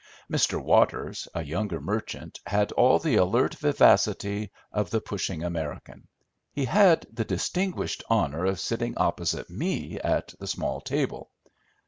Mr. Waters, a younger merchant, had all the alert vivacity of the pushing American. He had the distinguished honour of sitting opposite me at the small table.